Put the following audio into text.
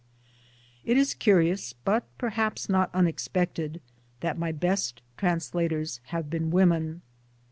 It is curious, but perhaps not unexpected, that my best translators have been women.